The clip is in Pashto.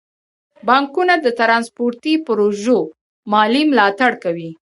بانکونه د ترانسپورتي پروژو مالي ملاتړ کوي.